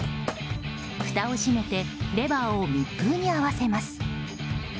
ふたを閉めてレバーを密封に合わせます。